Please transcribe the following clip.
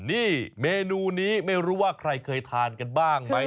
นี่เมนูนี้ไม่รู้ว่าใครเคยทานกันบ้างไหม